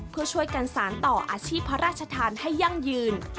เพื่อช่วยกันสารต่ออาชีพพระราชทานให้ยั่งยืน